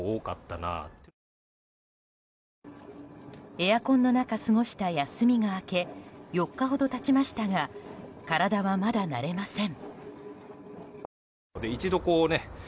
エアコンの中過ごした休みが明け４日ほど経ちましたが体は、まだ慣れません。